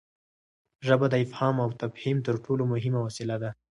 ژبه د افهام او تفهیم تر ټولو مهمه وسیله ده.